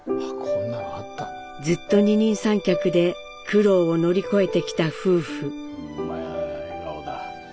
ずっと二人三脚で苦労を乗り越えてきた夫婦。